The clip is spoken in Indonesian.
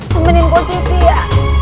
pemenin pok siti ya